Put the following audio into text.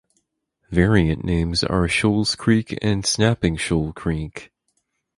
Variant names are "Shoals Creek" and "Snapping Shoal Creek".